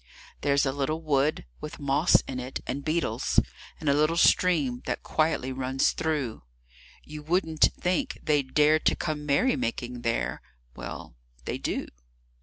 There's a little wood, with moss in it and beetles, And a little stream that quietly runs through; You wouldn't think they'd dare to come merrymaking there Well, they do.